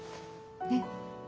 えっ